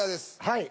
はい。